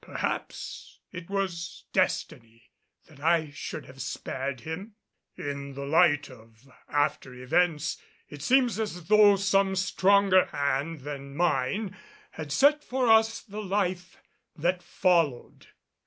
Perhaps it was destiny that I should have spared him. In the light of after events, it seems as though some stronger hand than mine had set for us the life that followed.